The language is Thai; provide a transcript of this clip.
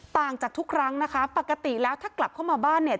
ต่างจากทุกครั้งนะคะปกติแล้วถ้ากลับเข้ามาบ้านเนี่ย